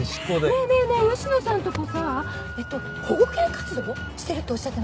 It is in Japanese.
ねえねえねえ吉野さんとこさ保護犬活動してるっておっしゃってなかった？